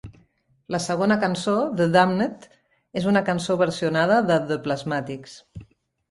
La segona cançó "The Damned" és una cançó versionada de The Plasmatics.